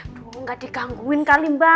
aduh gak digangguin kali mba